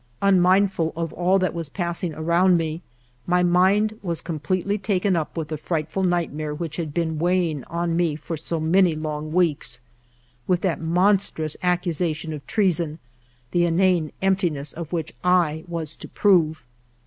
Unmindful of all that was passing ALFRED DREYFUS 21 around me, my mind was completely taken up with the frightful nightmare which had been weighing on me for so many long weeks, — with that monstrous accusation of treason, the inane emptiness of which I was to prove.